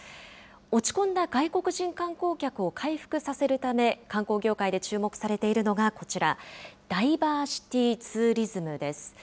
落ち込んだ外国人観光客を回復させるため、観光業界で注目されているのがこちら、ダイバーシティーツーリズムです。